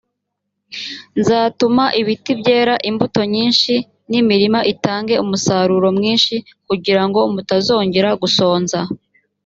nzatuma ibiti byera imbuto nyinshi n’imirima itange umusaruro mwinshi kugira ngo mutazongera gusonza